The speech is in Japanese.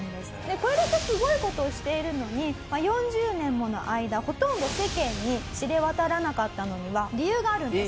これだけすごい事をしているのに４０年もの間ほとんど世間に知れ渡らなかったのには理由があるんです。